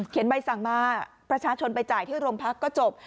ใบสั่งมาประชาชนไปจ่ายที่โรงพักก็จบ